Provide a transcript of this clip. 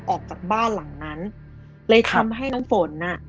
ออกจากบ้านหลังนั้นเลยทำให้น้ำฝนอ่ะ